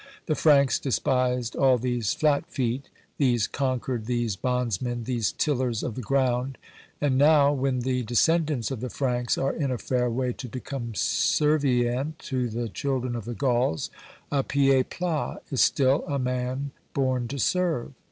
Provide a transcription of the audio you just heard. The Franks despised all these flat feet, these conquered, these bondsmen, these tillers of the ground ; and now, when the descendants of the Franks are in a fair way to become servient to the children of the Gauls, a pied plat is still a man born to serve.